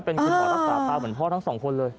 เป็นคุณหมอรักษาตาเหมือนพ่อทั้งสองคนเลย